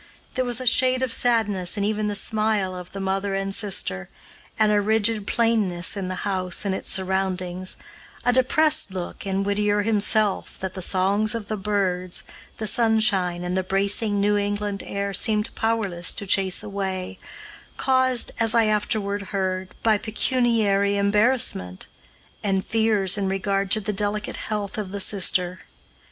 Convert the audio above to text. There was a shade of sadness in even the smile of the mother and sister, and a rigid plainness in the house and its surroundings, a depressed look in Whittier himself that the songs of the birds, the sunshine, and the bracing New England air seemed powerless to chase away, caused, as I afterward heard, by pecuniary embarrassment, and fears in regard to the delicate health of the sister.